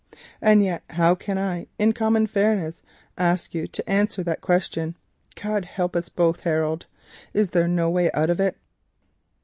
And yet how can I in common fairness ask you to answer that question? God help us both, Harold! Is there no way out of it?"